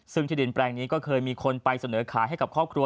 ซึ่งที่ดินแปลงนี้ก็เคยมีคนไปเสนอขายให้กับครอบครัว